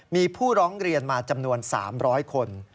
มีผู้ร้องเรียนมาจำนวน๓๐๐คน